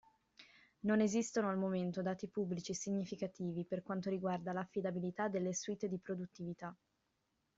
Non esistono al momento dati pubblici significativi per quanto riguarda l'affidabilità delle suite di produttività.